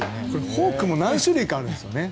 フォークも何種類かあるんですよね。